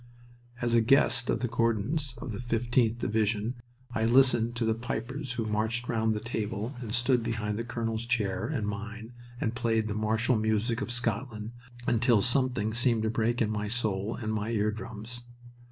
As a guest of the Gordons, of the 15th Division, I listened to the pipers who marched round the table and stood behind the colonel's chair and mine, and played the martial music of Scotland, until something seemed to break in my soul and my ear drums.